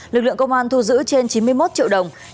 lực lượng công an thu giữ trên chín mươi một triệu đồng